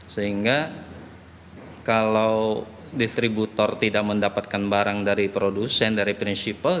sehingga kalau distributor tidak mendapatkan barang dari produsen dari prinsipal